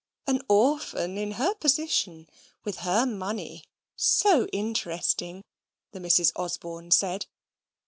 An orphan in her position with her money so interesting! the Misses Osborne said.